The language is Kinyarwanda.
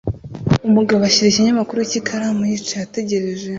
Umugabo ashyira ikinyamakuru cye ikaramu yicaye ategereje